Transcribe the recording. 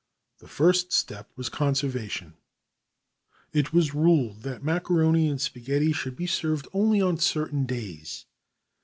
The first step was conservation. It was ruled that macaroni and spaghetti could be served only on certain days.